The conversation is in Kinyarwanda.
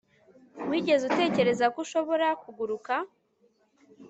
Wigeze utekereza ko ushobora kuguruka